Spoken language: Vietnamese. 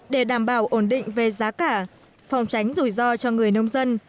để đảm bảo ổn định về giá cả phòng tránh rủi ro cho người nông dân